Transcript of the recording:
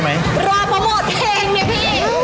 รอมาหมดเพลงเนี่ยพี่